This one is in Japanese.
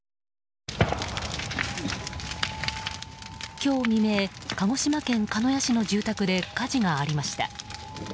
今日未明、鹿児島県鹿屋市の住宅で火事がありました。